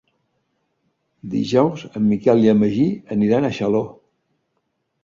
Dijous en Miquel i en Magí aniran a Xaló.